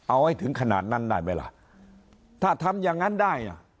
เอาให้ถึงขนาดนั้นได้ไหมล่ะถ้าทำอย่างนั้นได้อ่ะ